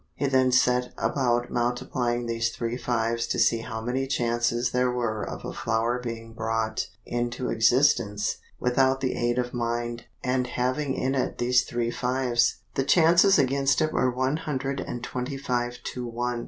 He then set about multiplying these three fives to see how many chances there were of a flower being brought into existence without the aid of mind, and having in it these three fives. The chances against it were one hundred and twenty five to one.